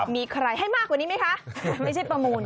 มีใครให้มากกว่านี้ไหมคะไม่ใช่ประมูล